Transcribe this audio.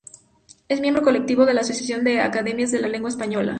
Es miembro colectivo de la Asociación de Academias de la Lengua Española.